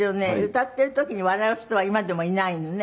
歌っている時に笑う人は今でもいないのね。